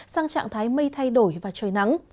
sang trạng thái mây thay đổi và trời nắng